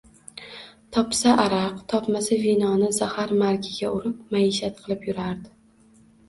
Topsa araq, topmasa vinoni zahar-margiga urib, maishat qilib yurardi